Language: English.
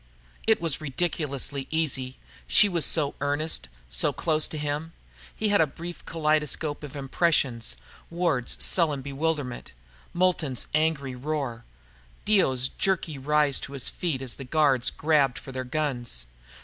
It was ridiculously easy, she was so earnest, so close to him. He had a brief kaleidoscope of impressions Ward's sullen bewilderment, Moulton's angry roar, Dio's jerky rise to his feet as the guards grabbed for their guns.